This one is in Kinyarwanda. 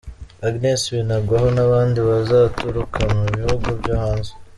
Agnes Binagwaho, n’abandi bazaturuka mu bihugu byo hanze.